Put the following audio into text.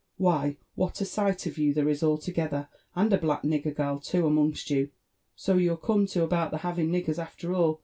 " Why, what a sight of you there is altogether I And a black nigger gal too amongst you ! So you're come to about the having niggers after all